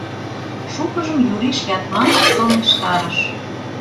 Шукыжым Юриш Ятманов сылнештарыш.